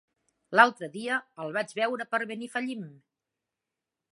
L'altre dia el vaig veure per Benifallim.